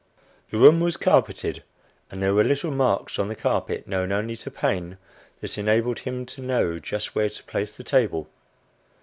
The room was carpeted, and there were little marks on the carpet, known only to Paine, that enabled him to know just where to place the table.